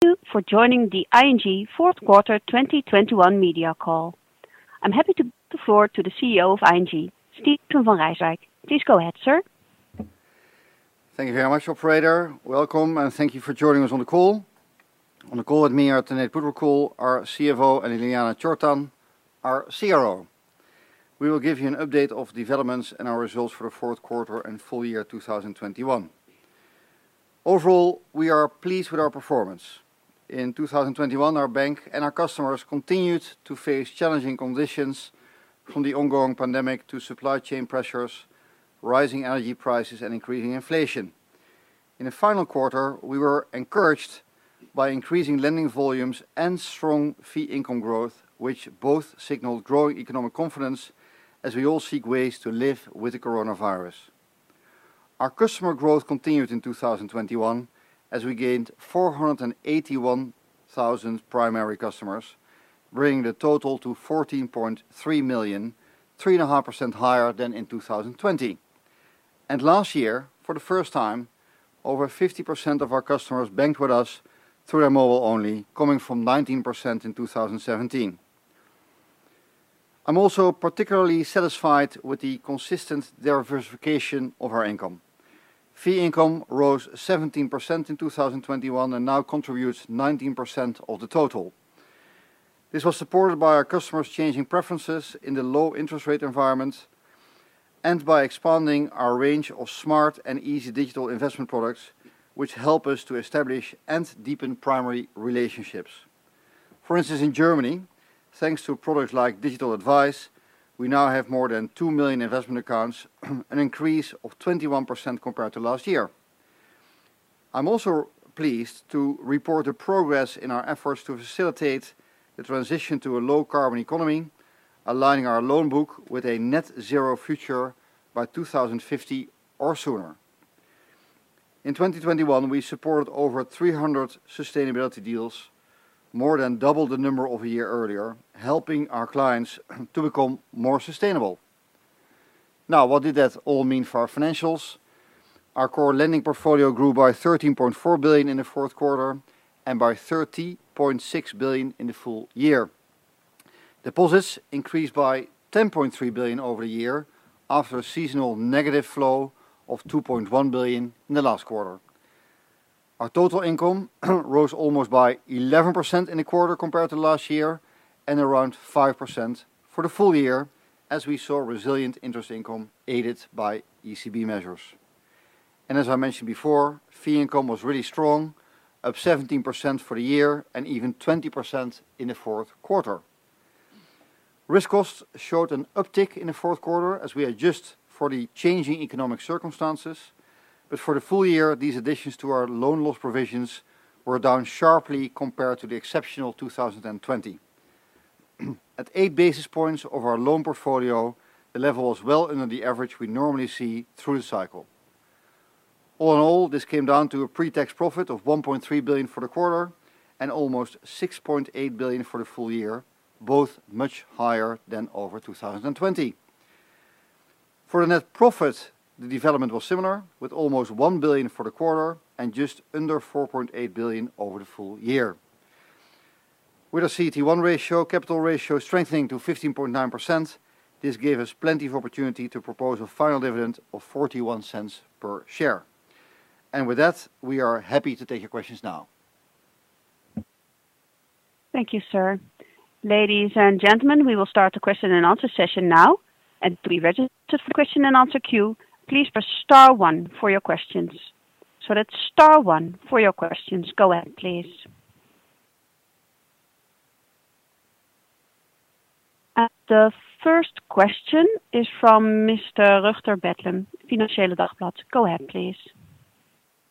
Thank you for joining the ING fourth quarter 2021 media call. I'm happy to give the floor to the CEO of ING, Steven van Rijswijk. Please go ahead, sir. Thank you very much, operator. Welcome, and thank you for joining us on the call. On the call with me are Tanate Phutrakul, our CFO, and Ljiljana Čortan, our CRO. We will give you an update of developments and our results for the Q4 and full-year 2021. Overall, we are pleased with our performance. In 2021, our bank and our customers continued to face challenging conditions from the ongoing pandemic to supply chain pressures, rising energy prices, and increasing inflation. In the final quarter, we were encouraged by increasing lending volumes and strong fee income growth, which both signaled growing economic confidence as we all seek ways to live with the coronavirus. Our customer growth continued in 2021, as we gained 481,000 primary customers, bringing the total to 14.3 million, 3.5% higher than in 2020. Last year, for the first time, over 50% of our customers banked with us through their mobile only, coming from 19% in 2017. I'm also particularly satisfied with the consistent diversification of our income. Fee income rose 17% in 2021 and now contributes 19% of the total. This was supported by our customers changing preferences in the low interest rate environment and by expanding our range of smart and easy digital investment products, which help us to establish and deepen primary relationships. For instance, in Germany, thanks to products like digital advice, we now have more than 2 million investment accounts, an increase of 21% compared to last year. I'm also pleased to report the progress in our efforts to facilitate the transition to a low-carbon economy, aligning our loan book with a net zero future by 2050 or sooner. In 2021, we supported over 300 sustainability deals, more than double the number of a year earlier, helping our clients to become more sustainable. Now, what did that all mean for our financials? Our core lending portfolio grew by 13.4 billion in the Q4 and by 30.6 billion in the full-year. Deposits increased by 10.3 billion over the year after a seasonal negative flow of 2.1 billion in the last quarter. Our total income rose almost by 11% in the quarter compared to last year and around 5% for the full-year as we saw resilient interest income aided by ECB measures. As I mentioned before, fee income was really strong, up 17% for the year and even 20% in the Q4. Risk costs showed an uptick in the Q4 as we adjust for the changing economic circumstances. For the full-year, these additions to our loan loss provisions were down sharply compared to the exceptional 2020. At 8 basis points of our loan portfolio, the level was well under the average we normally see through the cycle. All in all, this came down to a pre-tax profit of 1.3 billion for the quarter and almost 6.8 billion for the full-year, both much higher than 2020. For the net profit, the development was similar, with almost 1 billion for the quarter and just under 4.8 billion over the full-year. With our CET1 ratio strengthening to 15.9%, this gave us plenty of opportunity to propose a final dividend of 0.41 per share. With that, we are happy to take your questions now. Thank you, sir. Ladies and gentlemen, we will start the question and answer session now. To be registered for the question and answer queue, please press star one for your questions. That's star one for your questions. Go ahead, please. The first question is from Mr. Rutger Betlem, Het Financieele Dagblad. Go ahead, please.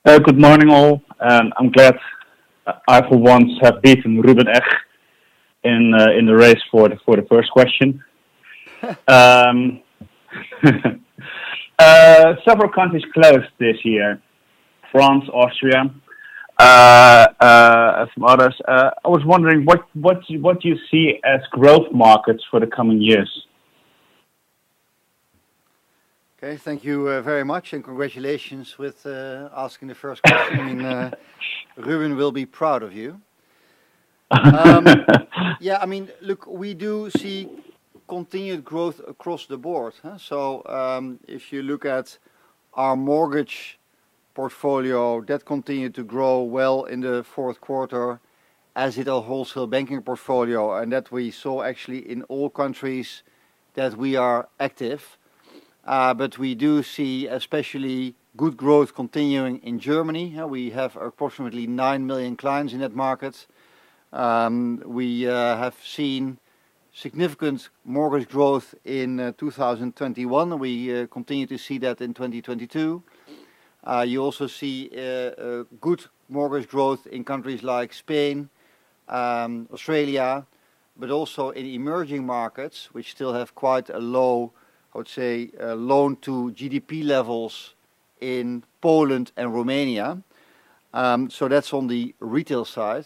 Good morning, all. I'm glad I for once have beaten Ruben Eg in the race for the first question. Several countries closed this year, France, Austria, some others. I was wondering what do you see as growth markets for the coming years? Thank you very much, and congratulations with asking the first question. Ruben will be proud of you. Yeah, I mean, look, we do see continued growth across the board. If you look at our mortgage portfolio, that continued to grow well in the Q4 as did our wholesale banking portfolio, and we saw that actually in all countries that we are active. We do see especially good growth continuing in Germany. We have approximately 9 million clients in that market. We have seen significant mortgage growth in 2021. We continue to see that in 2022. You also see good mortgage growth in countries like Spain, Australia, but also in emerging markets, which still have quite a low, I would say, loan to GDP levels in Poland and Romania. That's on the retail side.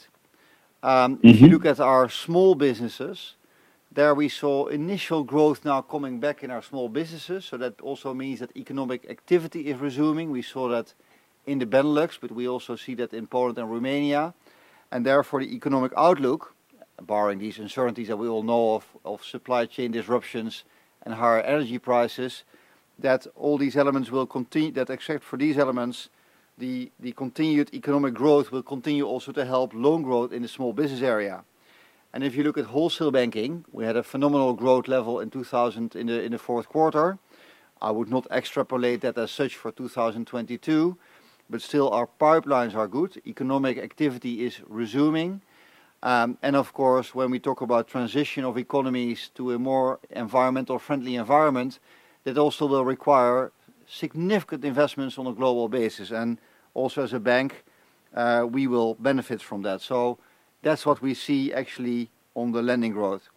If you look at our small businesses, there we saw initial growth now coming back in our small businesses, so that also means that economic activity is resuming. We saw that in the Benelux, but we also see that in Poland and Romania. Therefore, the economic outlook, barring these uncertainties that we all know of supply chain disruptions and higher energy prices, that except for these elements, the continued economic growth will continue also to help loan growth in the small business area. If you look at wholesale banking, we had a phenomenal growth level in the Q4. I would not extrapolate that as such for 2022. Still our pipelines are good, economic activity is resuming, and of course, when we talk about transition of economies to a more environmentally friendly environment, that also will require significant investments on a global basis. Also as a bank, we will benefit from that. That's what we see actually on the lending growth.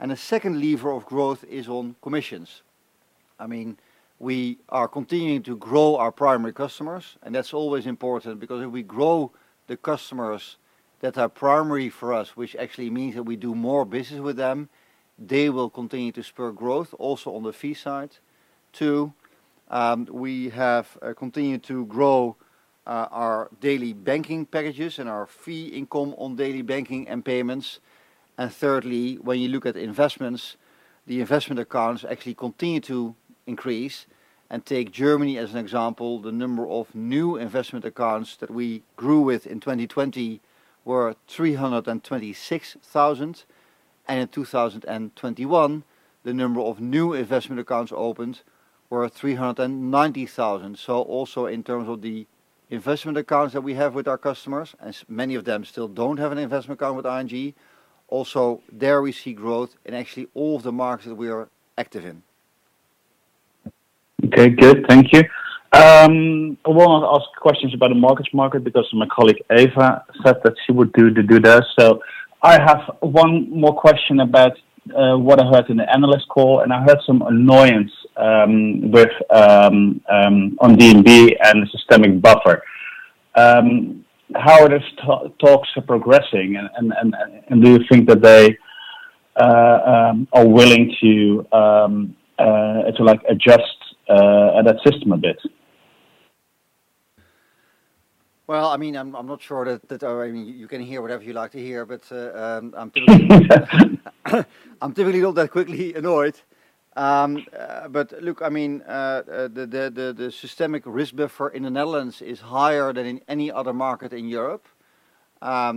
A second lever of growth is on commissions. I mean, we are continuing to grow our primary customers, and that's always important because if we grow the customers that are primary for us, which actually means that we do more business with them, they will continue to spur growth also on the fee side. Two, we have continued to grow our daily banking packages and our fee income on daily banking and payments. Thirdly, when you look at investments, the investment accounts actually continue to increase. Take Germany as an example, the number of new investment accounts that we grew with in 2020 were 326,000, and in 2021, the number of new investment accounts opened were 390,000. Also in terms of the investment accounts that we have with our customers, as many of them still don't have an investment account with ING, also there we see growth in actually all of the markets that we are active in. Okay, good. Thank you. I won't ask questions about the markets because my colleague, Eva, said that she would do that. I have one more question about what I heard in the analyst call, and I heard some annoyance with DNB and the systemic risk buffer. How are those talks progressing and do you think that they are willing to like adjust that system a bit? I mean, I'm not sure that I mean, you can hear whatever you like to hear, but I'm typically not that quickly annoyed. Look, I mean, the systemic risk buffer in the Netherlands is higher than in any other market in Europe. I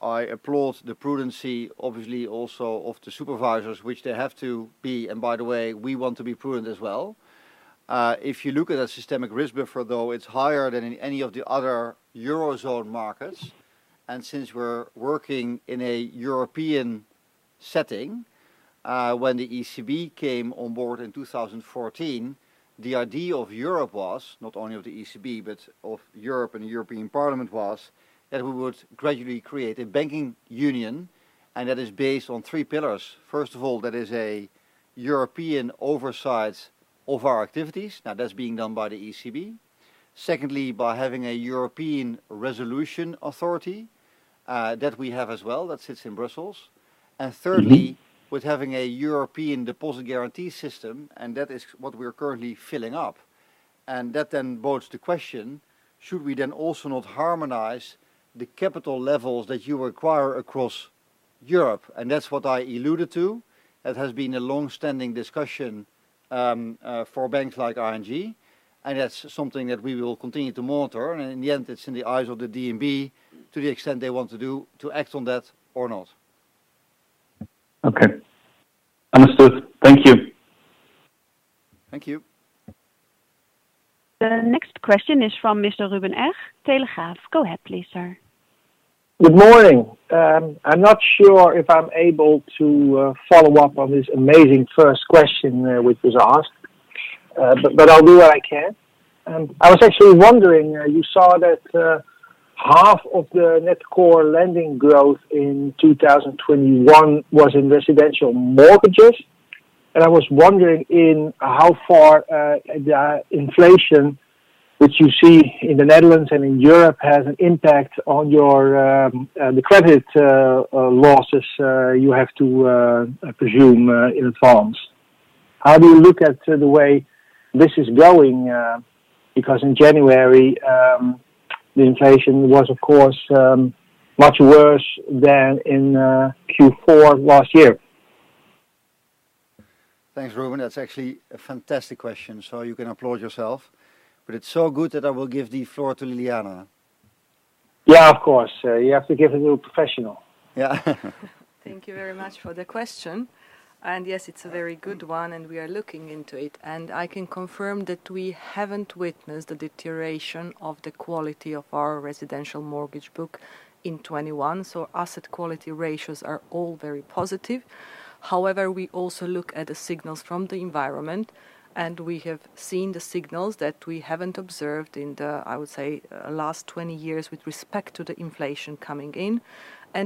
applaud the prudence, obviously, also of the supervisors, which they have to be. By the way, we want to be prudent as well. If you look at a systemic risk buffer, though, it's higher than in any of the other eurozone markets. Since we're working in a European setting, when the ECB came on board in 2014, the idea of Europe was, not only of the ECB, but of Europe and European Parliament was, that we would gradually create a banking union, and that is based on three pillars. First of all, that is a European oversight of our activities. Now, that's being done by the ECB. Secondly, by having a Single Resolution Board, that we have as well, that sits in Brussels. Thirdly, with having a European Deposit Guarantee Scheme, and that is what we are currently filling up. That then poses the question, should we then also not harmonize the capital levels that you require across Europe? That's what I alluded to. That has been a long-standing discussion, for banks like ING, and that's something that we will continue to monitor. In the end, it's in the eyes of the DNB to the extent they want to do to act on that or not. Okay. Understood. Thank you. Thank you. The next question is from Mr. Ruben Eg, Telegraaf. Go ahead, please, sir. Good morning. I'm not sure if I'm able to follow-up on this amazing first question, which was asked, but I'll do what I can. I was actually wondering, you saw that half of the net core lending growth in 2021 was in residential mortgages. I was wondering in how far the inflation, which you see in the Netherlands and in Europe, has an impact on your the credit losses you have to assume in advance. How do you look at the way this is going, because in January the inflation was, of course, much worse than in Q4 last year. Thanks, Ruben. That's actually a fantastic question, so you can applaud yourself. It's so good that I will give the floor to Ljiljana. Yeah, of course. You have to give it to a professional. Yeah. Thank you very much for the question. Yes, it's a very good one, and we are looking into it. I can confirm that we haven't witnessed the deterioration of the quality of our residential mortgage book in 2021. Asset quality ratios are all very positive. However, we also look at the signals from the environment, and we have seen the signals that we haven't observed in the, I would say, last 20 years with respect to the inflation coming in.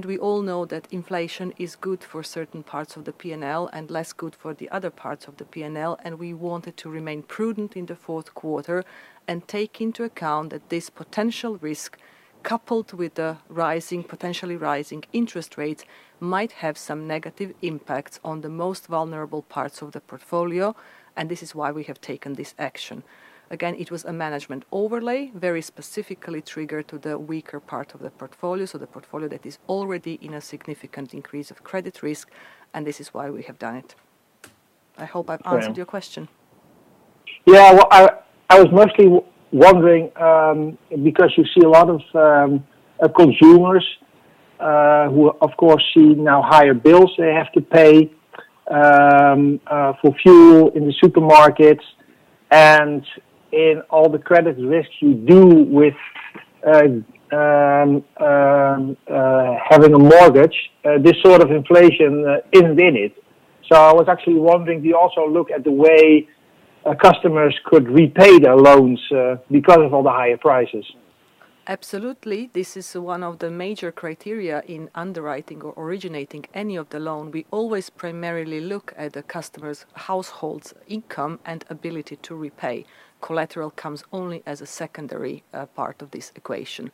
We all know that inflation is good for certain parts of the P&L and less good for the other parts of the P&L, and we wanted to remain prudent in the Q4 and take into account that this potential risk, coupled with the rising, potentially rising interest rates, might have some negative impacts on the most vulnerable parts of the portfolio, and this is why we have taken this action. Again, it was a management overlay, very specifically triggered to the weaker part of the portfolio, so the portfolio that is already in a significant increase of credit risk, and this is why we have done it. I hope I've answered your question. Yeah. Well, I was mostly wondering, because you see a lot of consumers who of course see now higher bills they have to pay for fuel in the supermarkets and in all the credit risks you do with having a mortgage. This sort of inflation isn't in it. I was actually wondering, do you also look at the way customers could repay their loans because of all the higher prices? Absolutely. This is one of the major criteria in underwriting or originating any of the loan. We always primarily look at the customer's household's income and ability to repay. Collateral comes only as a secondary part of this equation.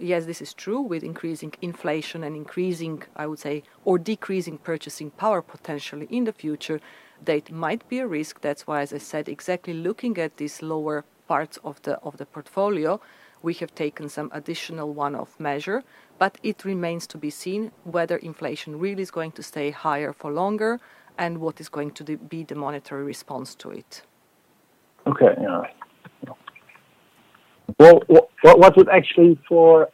Yes, this is true. With increasing inflation and increasing, I would say, or decreasing purchasing power potentially in the future, that might be a risk. That's why, as I said, exactly looking at these lower parts of the portfolio, we have taken some additional one-off measure. It remains to be seen whether inflation really is going to stay higher for longer and what is going to be the monetary response to it. Well, what would actually for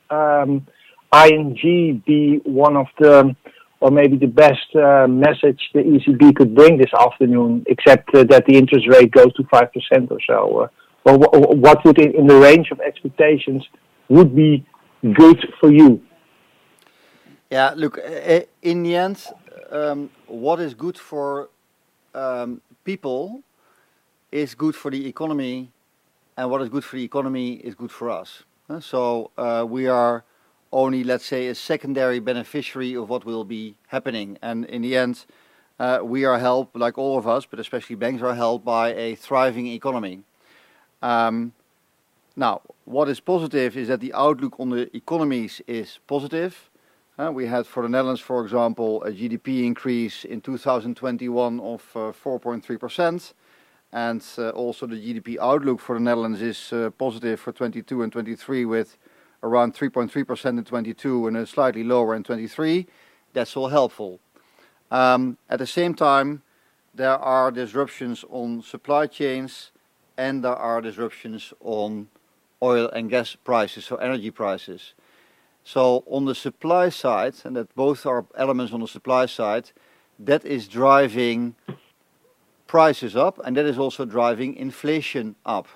ING be one of the, or maybe the best message the ECB could bring this afternoon, except that the interest rate goes to 5% or so? Or what would, in the range of expectations, be good for you? Yeah. Look, in the end, what is good for people is good for the economy, and what is good for the economy is good for us. We are only, let's say, a secondary beneficiary of what will be happening. In the end, we are helped, like all of us, but especially banks are helped by a thriving economy. Now, what is positive is that the outlook on the economies is positive. We had, for the Netherlands, for example, a GDP increase in 2021 of 4.3%, and also the GDP outlook for the Netherlands is positive for 2022 and 2023, with around 3.3% in 2022 and then slightly lower in 2023. That's all helpful. At the same time, there are disruptions in supply chains and there are disruptions in oil and gas prices, so energy prices. On the supply side, and that both are elements on the supply side, that is driving prices up and that is also driving inflation up.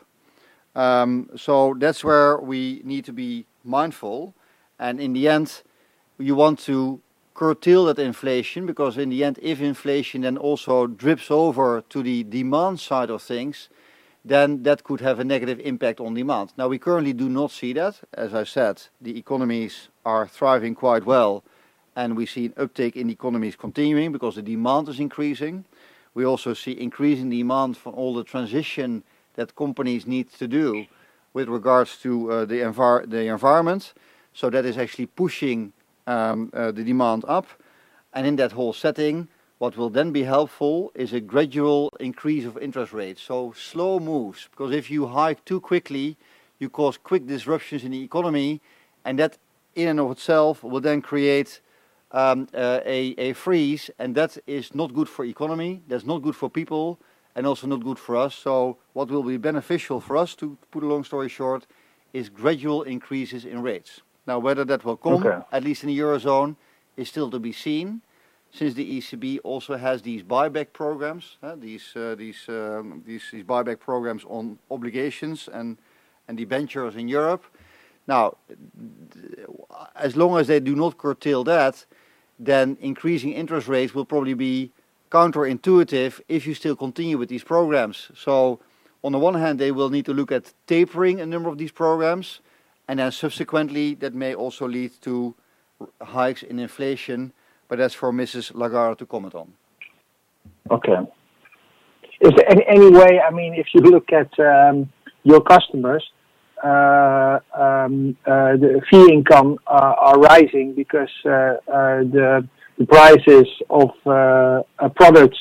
That's where we need to be mindful. In the end, you want to curtail that inflation, because in the end, if inflation then also spills over to the demand side of things, then that could have a negative impact on demand. Now, we currently do not see that. As I've said, the economies are thriving quite well and we see an uptick in economies continuing because the demand is increasing. We also see increasing demand for all the transition that companies need to do with regards to the environment. That is actually pushing the demand up. In that whole setting, what will then be helpful is a gradual increase of interest rates. Slow moves, because if you hike too quickly, you cause quick disruptions in the economy, and that in and of itself will then create a freeze, and that is not good for economy. That's not good for people and also not good for us. What will be beneficial for us, to put a long story short, is gradual increases in rates. Now, whether that will come- Okay At least in the Eurozone, is still to be seen, since the ECB also has these buyback programs on obligations and debentures in Europe. Now, as long as they do not curtail that, then increasing interest rates will probably be counterintuitive if you still continue with these programs. On the one hand, they will need to look at tapering a number of these programs, and then subsequently, that may also lead to hikes in inflation, but that's for Mrs. Lagarde to comment on. Okay. Is there any way, I mean, if you look at your customers, the fee income are rising because the prices of products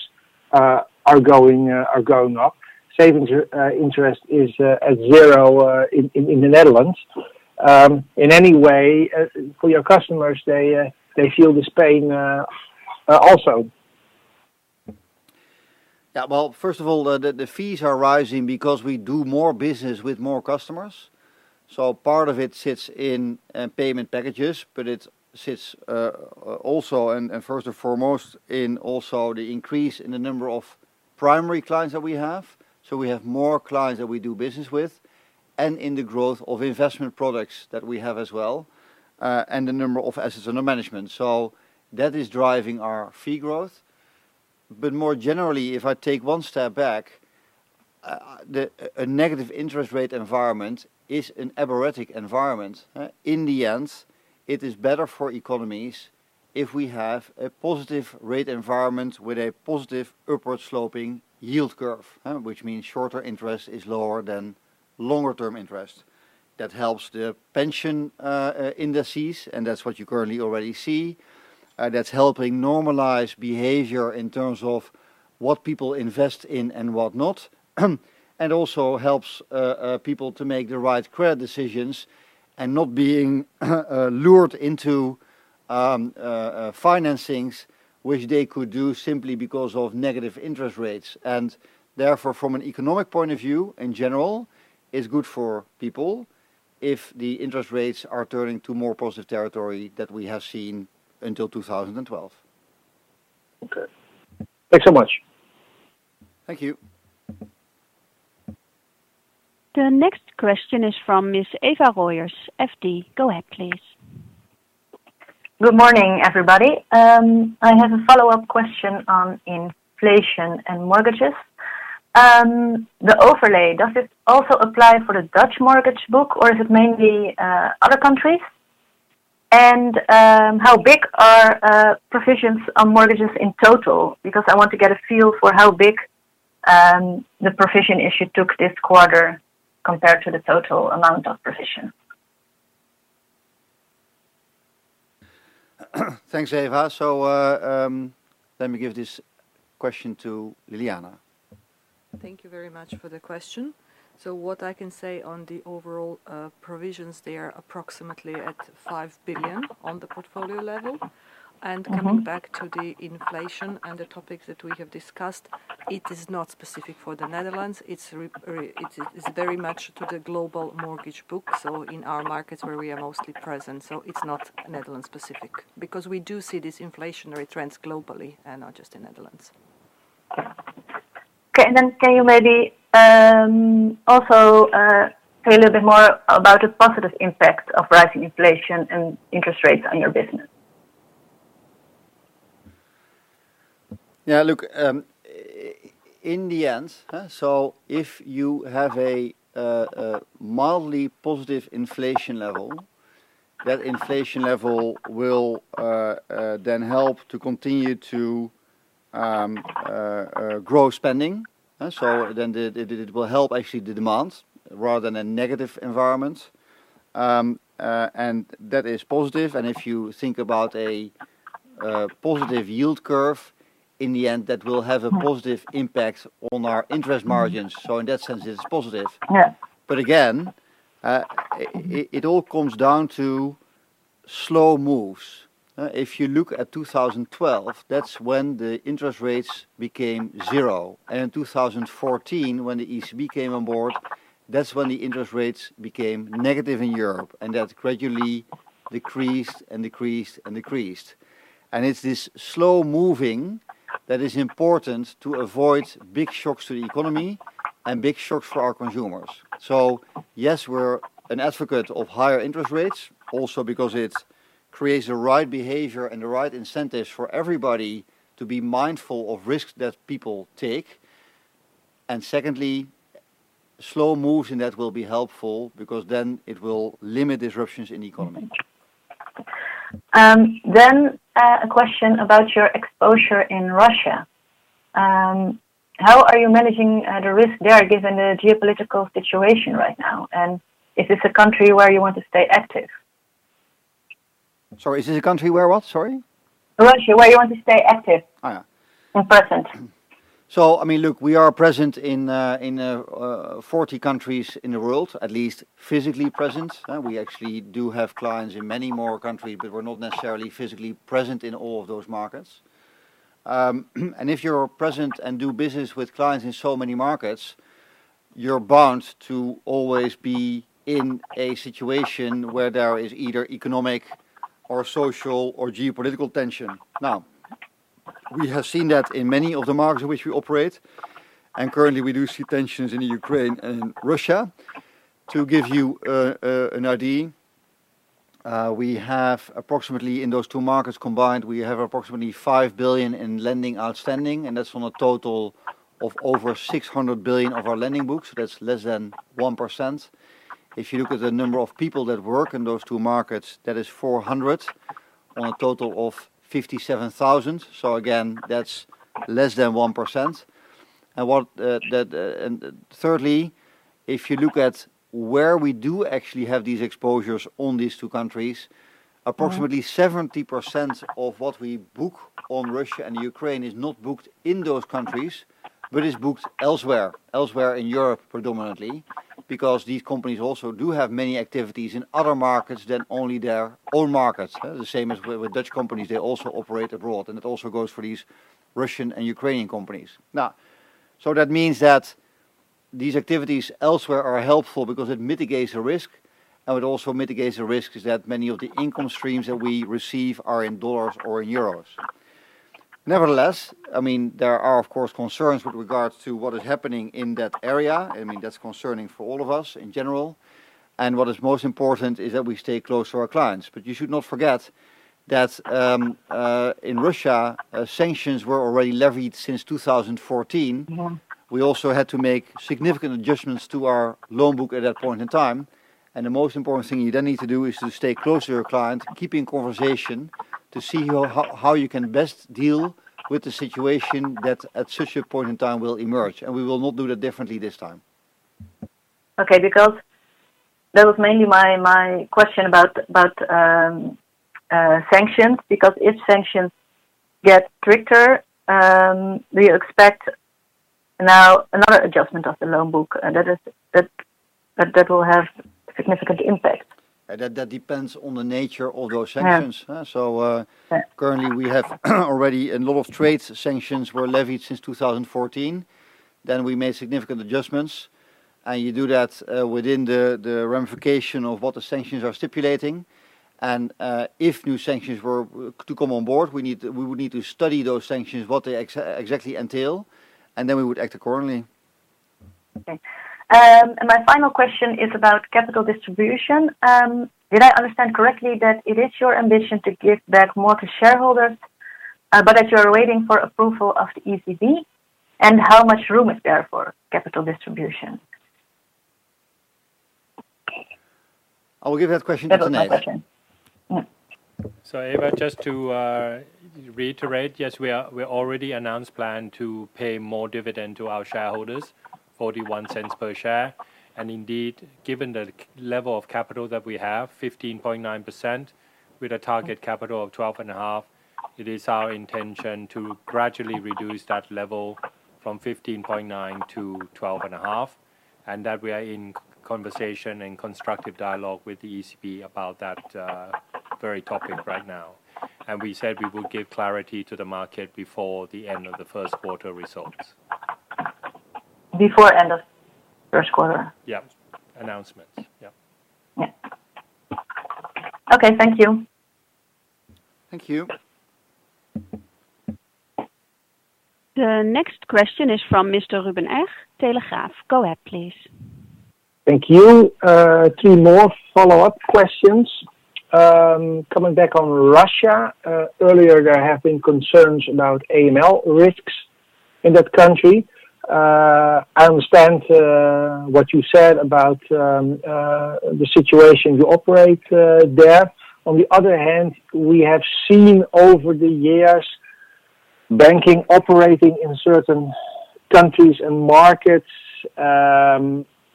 are going up. Savings interest is at zero in the Netherlands. In any way, for your customers, they feel this pain also? Yeah. Well, first of all, the fees are rising because we do more business with more customers. Part of it sits in payment packages, but it also sits, first and foremost, in the increase in the number of primary clients that we have, so we have more clients that we do business with, and in the growth of investment products that we have as well, and the number of assets under management. That is driving our fee growth. More generally, if I take one step back, a negative interest rate environment is an aberrant environment. In the end, it is better for economies if we have a positive rate environment with a positive upward sloping yield curve, which means shorter interest is lower than longer-term interest. That helps the pension indices, and that's what you currently already see. That's helping normalize behavior in terms of what people invest in and whatnot, and also helps people to make the right credit decisions and not being lured into financings which they could do simply because of negative interest rates. Therefore, from an economic point of view, in general, it's good for people if the interest rates are turning to more positive territory that we have seen until 2012. Okay. Thanks so much. Thank you. The next question is from Miss Eva Rooijers, FD. Go ahead, please. Good morning, everybody. I have a follow-up question on inflation and mortgages. The overlay, does it also apply for the Dutch mortgage book or is it mainly other countries? How big are provisions on mortgages in total? Because I want to get a feel for how big the provision issue took this quarter compared to the total amount of provision. Thanks, Eva. Let me give this question to Ljiljana. Thank you very much for the question. What I can say on the overall provisions, they are approximately at 5 billion on the portfolio level. Coming back to the inflation and the topics that we have discussed, it is not specific for the Netherlands. It's very much to the global mortgage book. In our markets where we are mostly present, it's not Netherlands specific. Because we do see these inflationary trends globally and not just in the Netherlands. Okay. Can you maybe also say a little bit more about the positive impact of rising inflation and interest rates on your business? Yeah, look, in the end, so if you have a mildly positive inflation level, that inflation level will then help to continue to grow spending. It will help actually the demand rather than a negative environment. That is positive. If you think about a positive yield curve, in the end, that will have a positive impact on our interest margins. In that sense, it's positive. Yeah. Again, it all comes down to slow moves. If you look at 2012, that's when the interest rates became zero. In 2014, when the ECB came on board, that's when the interest rates became negative in Europe, and that gradually decreased. It's this slow moving that is important to avoid big shocks to the economy and big shocks for our consumers. Yes, we're an advocate of higher interest rates also because it creates the right behavior and the right incentives for everybody to be mindful of risks that people take. Secondly, slow moves in that will be helpful because then it will limit disruptions in the economy. A question about your exposure in Russia. How are you managing the risk there given the geopolitical situation right now? Is this a country where you want to stay active? Sorry, is this a country where what? Sorry. Russia, where you want to stay active? Oh, yeah. present. I mean, look, we are present in 40 countries in the world, at least physically present. We actually do have clients in many more countries, but we're not necessarily physically present in all of those markets. If you're present and do business with clients in so many markets, you're bound to always be in a situation where there is either economic or social or geopolitical tension. Now, we have seen that in many of the markets which we operate, and currently, we do see tensions in Ukraine and Russia. To give you an idea, we have approximately 5 billion in lending outstanding in those two markets combined, and that's from a total of over 600 billion of our lending books. That's less than 1%. If you look at the number of people that work in those two markets, that is 400 on a total of 57,000. Again, that's less than 1%. Thirdly, if you look at where we do actually have these exposures on these two countries, approximately 70% of what we book on Russia and Ukraine is not booked in those countries, but is booked elsewhere in Europe predominantly. Because these companies also do have many activities in other markets than only their own markets. The same as with Dutch companies, they also operate abroad, and it also goes for these Russian and Ukrainian companies. Now, that means that these activities elsewhere are helpful because it mitigates the risk that many of the income streams that we receive are in dollars or in euros. Nevertheless, I mean, there are, of course, concerns with regards to what is happening in that area. I mean, that's concerning for all of us in general. What is most important is that we stay close to our clients. You should not forget that in Russia, sanctions were already levied since 2014. Mm-hmm. We also had to make significant adjustments to our loan book at that point in time. The most important thing you then need to do is to stay close to your client, keep in conversation to see how you can best deal with the situation that at such a point in time will emerge. We will not do that differently this time. Okay. Because that was mainly my question about sanctions. Because if sanctions get stricter, do you expect now another adjustment of the loan book, and that will have significant impact? That depends on the nature of those sanctions. Yeah. Currently we have already a lot of trade sanctions were levied since 2014. We made significant adjustments. You do that within the ramification of what the sanctions are stipulating. If new sanctions were to come on board, we would need to study those sanctions, what they exactly entail, and then we would act accordingly. Okay. My final question is about capital distribution. Did I understand correctly that it is your ambition to give back more to shareholders, but that you are waiting for approval of the ECB? How much room is there for capital distribution? I will give that question to Tanate Phutrakul. Capital question. Yeah. Eva, just to reiterate, yes, we already announced plan to pay more dividend to our shareholders, €0.41 per share. Indeed, given the CET1 level of capital that we have, 15.9%, with a target capital of 12.5%, it is our intention to gradually reduce that level from 15.9% to 12.5%, and that we are in conversation and constructive dialogue with the ECB about that very topic right now. We said we will give clarity to the market before the end of the Q1 results. Before end of Q1? Yeah. Announcements. Yeah. Yeah. Okay. Thank you. Thank you. The next question is from Mr. Ruben Eg, Telegraaf. Go ahead, please. Thank you. Two more follow-up questions. Coming back on Russia, earlier there have been concerns about AML risks in that country. I understand what you said about the situation you operate there. On the other hand, we have seen over the years banking operating in certain countries and markets,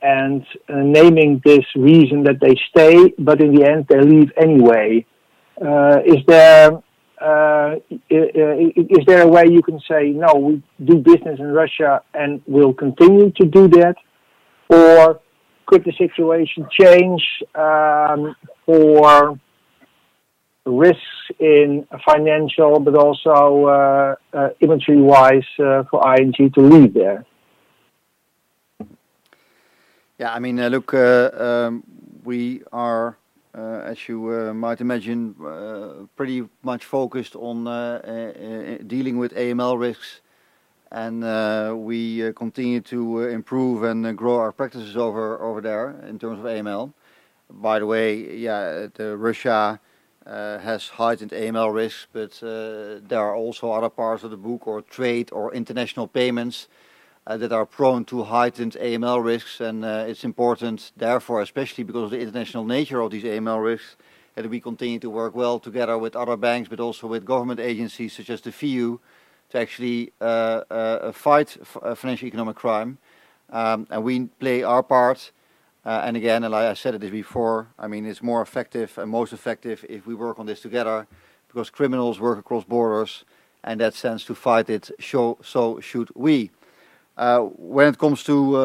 and citing this reason that they stay, but in the end they leave anyway. Is there a way you can say, "No, we do business in Russia and we'll continue to do that" or could the situation change for financial risks but also inventory-wise for ING to leave there? Yeah, I mean, look, we are, as you might imagine, pretty much focused on dealing with AML risks and we continue to improve and grow our practices over there in terms of AML. By the way, yeah, Russia has heightened AML risks, but there are also other parts of the book or trade or international payments that are prone to heightened AML risks. It's important therefore, especially because of the international nature of these AML risks, that we continue to work well together with other banks, but also with government agencies such as the FIU to actually fight financial economic crime. We play our part. Again, I said it before, I mean, it's more effective and most effective if we work on this together because criminals work across borders. In that sense to fight it, so should we. When it comes to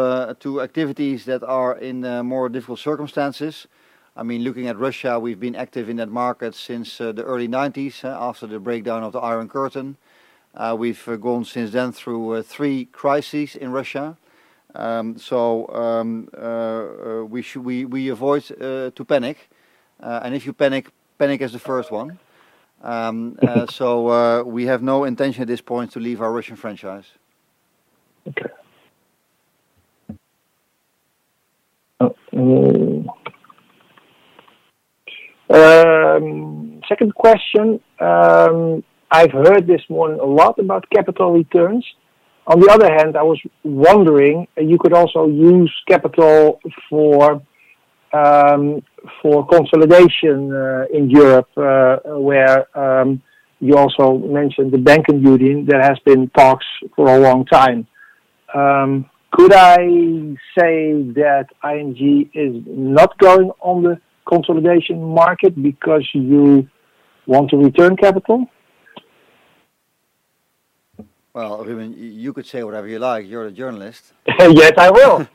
activities that are in more difficult circumstances, I mean, looking at Russia, we've been active in that market since the early nineties after the breakdown of the Iron Curtain. We've gone since then through three crises in Russia. So, we avoid to panic. If you panic is the first one. We have no intention at this point to leave our Russian franchise. Okay. Second question. I've heard this morning a lot about capital returns. On the other hand, I was wondering, you could also use capital for consolidation in Europe, where you also mentioned the banking union. There has been talks for a long time. Could I say that ING is not going on the consolidation market because you want to return capital? Well, Ruben, you could say whatever you like. You're a journalist. Yes, I will.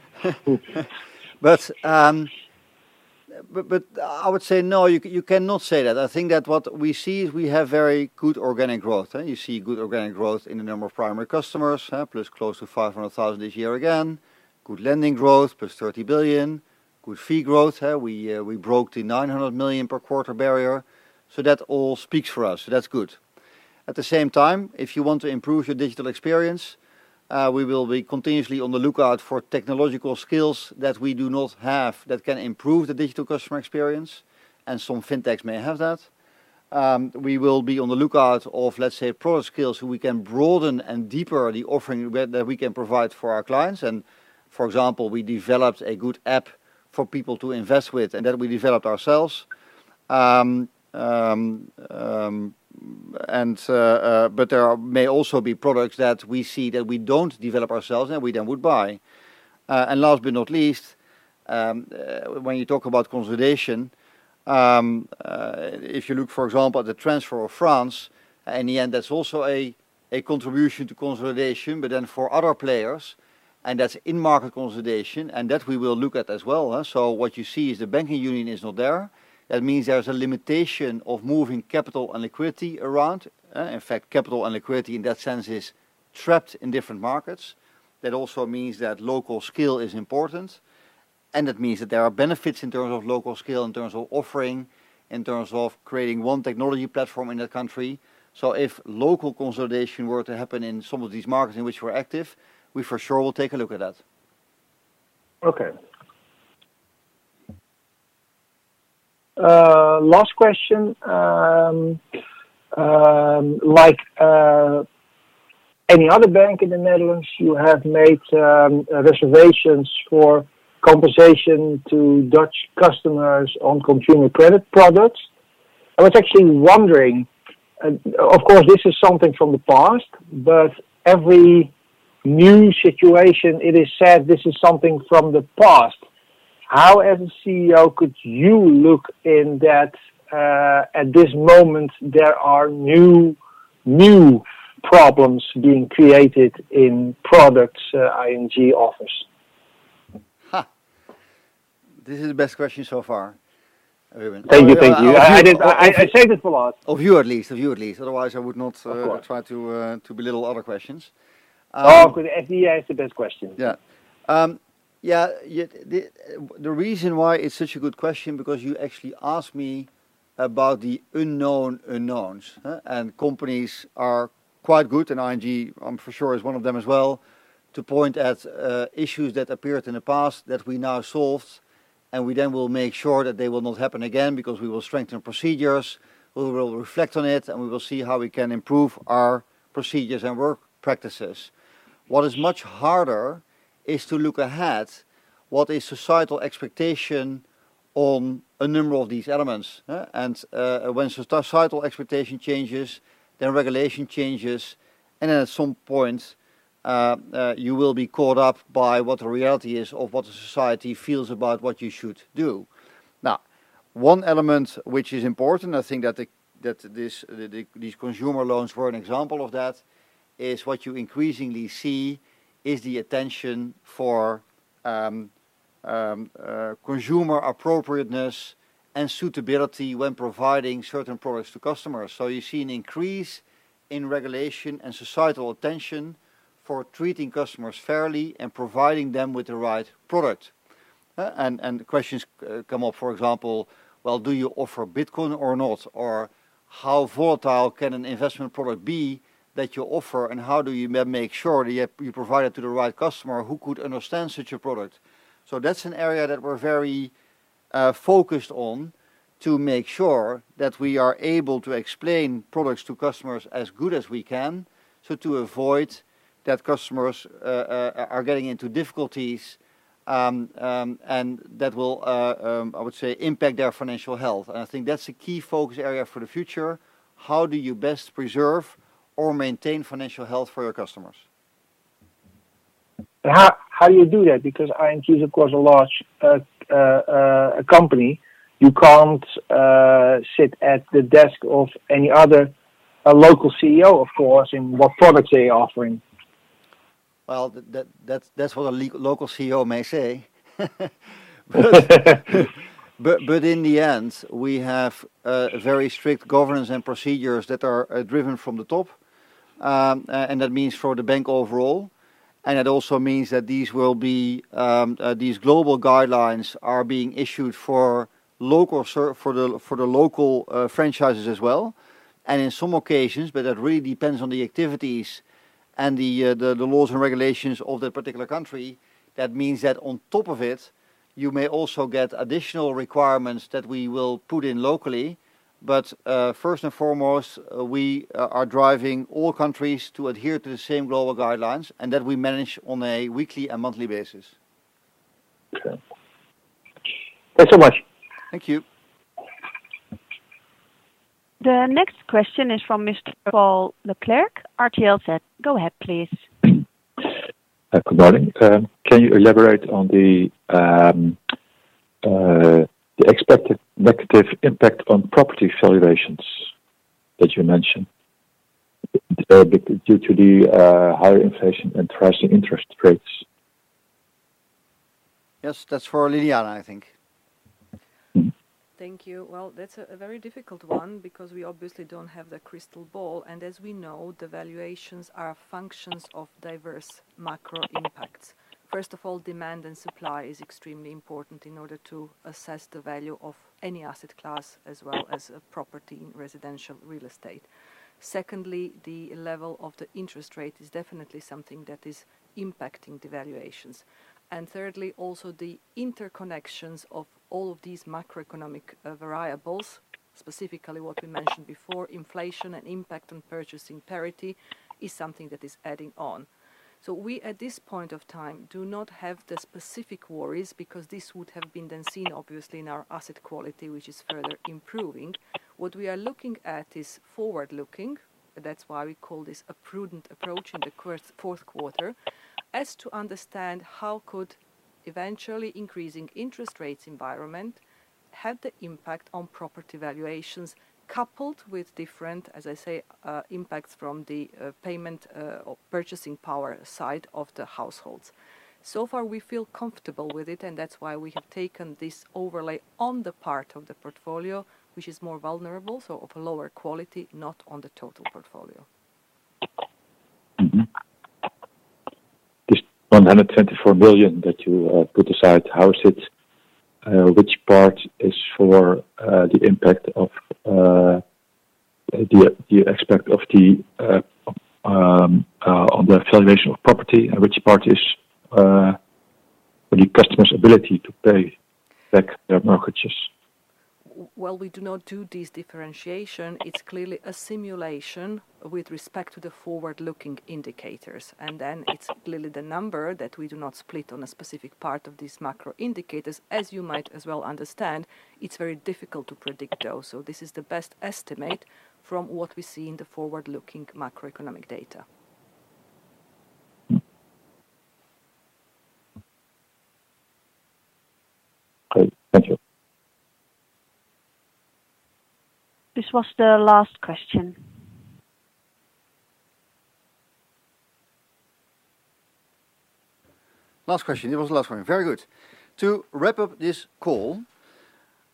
I would say no, you cannot say that. I think that what we see is we have very good organic growth. You see good organic growth in the number of primary customers. Plus close to 500,000 this year again. Good lending growth, +30 billion. Good fee growth, we broke the 900 million per quarter barrier. That all speaks for us. That's good. At the same time, if you want to improve your digital experience, we will be continuously on the lookout for technological skills that we do not have that can improve the digital customer experience, and some fintechs may have that. We will be on the lookout for, let's say, product skills, so we can broaden and deepen the offering that we can provide for our clients. For example, we developed a good app for people to invest with, and that we developed ourselves. But there may also be products that we see that we don't develop ourselves and we then would buy. Last but not least, when you talk about consolidation, if you look, for example, at the transfer of France, in the end, that's also a contribution to consolidation, but then for other players, and that's in market consolidation, and that we will look at as well. What you see is the banking union is not there. That means there's a limitation of moving capital and liquidity around. In fact, capital and liquidity in that sense is trapped in different markets. That also means that local skill is important, and that means that there are benefits in terms of local skill, in terms of offering, in terms of creating one technology platform in that country. If local consolidation were to happen in some of these markets in which we're active, we for sure will take a look at that. Okay. Last question. Like, any other bank in the Netherlands, you have made reservations for compensation to Dutch customers on consumer credit products. I was actually wondering, of course, this is something from the past, but every new situation, it is said this is something from the past. How, as a CEO, could you look into that? At this moment, there are new problems being created in products ING offers? This is the best question so far. Thank you. I save this for last. Of you at least. Otherwise, I would not. Of course. try to belittle other questions. Oh, good. Yeah, it's the best question. Yeah. Yeah. The reason why it's such a good question because you actually asked me about the unknown unknowns, huh. Companies are quite good, and ING, for sure is one of them as well, to point at issues that appeared in the past that we now solved, and we then will make sure that they will not happen again because we will strengthen procedures, we will reflect on it, and we will see how we can improve our procedures and work practices. What is much harder is to look ahead what is societal expectation on a number of these elements, huh. When societal expectation changes, then regulation changes, and then at some point, you will be caught up by what the reality is of what the society feels about what you should do. Now, one element which is important, I think that these consumer loans were an example of that, is what you increasingly see is the attention for consumer appropriateness and suitability when providing certain products to customers. You see an increase in regulation and societal attention for treating customers fairly and providing them with the right product. Well, questions come up, for example, do you offer Bitcoin or not? Or how volatile can an investment product be that you offer, and how do you make sure that you provide it to the right customer who could understand such a product? That's an area that we're very focused on to make sure that we are able to explain products to customers as good as we can, so to avoid that customers are getting into difficulties, and that will, I would say, impact their financial health. I think that's a key focus area for the future. How do you best preserve or maintain financial health for your customers? How do you do that? Because ING is, of course, a large company. You can't sit at the desk of any other local CEO, of course, in what products they are offering. Well, that's what a local CEO may say. In the end, we have very strict governance and procedures that are driven from the top. That means for the bank overall, and it also means that these global guidelines are being issued for the local franchises as well. In some occasions that really depends on the activities and the laws and regulations of that particular country. That means that on top of it, you may also get additional requirements that we will put in locally. First and foremost, we are driving all countries to adhere to the same global guidelines and that we manage on a weekly and monthly basis. Okay. Thanks so much. Thank you. The next question is from Mr. Paul le Clercq, RTL Z. Go ahead, please. Good morning. Can you elaborate on the expected negative impact on property valuations that you mentioned due to the higher inflation and rising interest rates? Yes. That's for Ljiljana, I think. Thank you. Well, that's a very difficult one because we obviously don't have the crystal ball, and as we know, the valuations are functions of diverse macro impacts. First of all, demand and supply is extremely important in order to assess the value of any asset class as well as a property in residential real estate. Secondly, the level of the interest rate is definitely something that is impacting the valuations. Thirdly, also the interconnections of all of these macroeconomic variables, specifically what we mentioned before, inflation and impact on purchasing parity is something that is adding on. We, at this point of time, do not have the specific worries because this would have been then seen obviously in our asset quality, which is further improving. What we are looking at is forward-looking. That's why we call this a prudent approach in the Q4. As to understand how could eventually increasing interest rates environment have the impact on property valuations coupled with different, as I say, impacts from the payment or purchasing power side of the households. So far, we feel comfortable with it, and that's why we have taken this overlay on the part of the portfolio, which is more vulnerable, so of a lower-quality, not on the total portfolio. Mm-hmm. This 124 million that you put aside, how is it, which part is for the impact on the valuation of property? And which part is the customer's ability to pay back their mortgages? Well, we do not do this differentiation. It's clearly a simulation with respect to the forward-looking indicators. It's clearly the number that we do not split on a specific part of these macro indicators. As you might as well understand, it's very difficult to predict those. This is the best estimate from what we see in the forward-looking macroeconomic data. Okay. Thank you. This was the last question. Last question. It was the last one. Very good. To wrap up this call,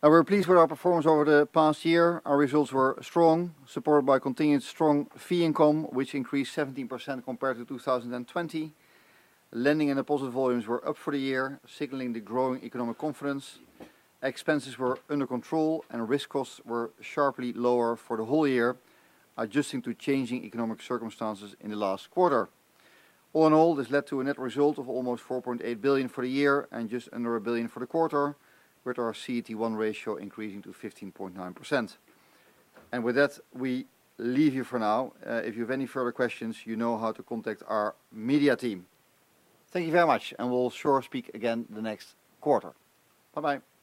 we're pleased with our performance over the past year. Our results were strong, supported by continued strong fee income, which increased 17% compared to 2020. Lending and deposit volumes were up for the year, signaling the growing economic confidence. Expenses were under control and risk costs were sharply lower for the whole year, adjusting to changing economic circumstances in the last quarter. All in all, this led to a net result of almost 4.8 billion for the year and just under 1 billion for the quarter, with our CET1 ratio increasing to 15.9%. With that, we leave you for now. If you have any further questions, you know how to contact our media team. Thank you very much, and we'll surely speak again the next quarter. Bye-bye.